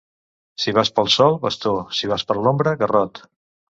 Si vas pel sol, bastó; si vas per l'ombra, garrot.